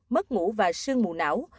mất ngủ và sương mù não